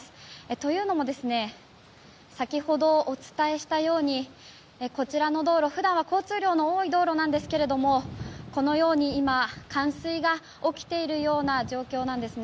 というのも先ほどお伝えしたようにこちらの道路、普段は交通量の多い道路なんですがこのように今、冠水が起きているような状況なんです。